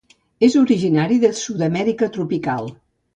És originari de Sud-amèrica tropical.